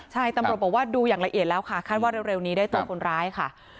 ใช่ตำรวจบอกว่าดูอย่างละเอียดแล้วค่ะคาดว่าเร็วนี้ได้ตัวคนร้ายค่ะ